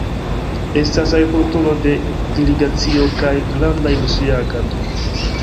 Estas agrikulturo de irigacio kaj granda industria agado.